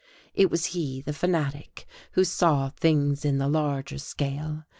It was he, the fanatic, who saw things in the larger scale!